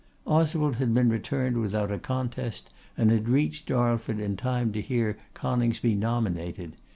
Oswald had been returned without a contest, and had reached Darlford in time to hear Coningsby nominated.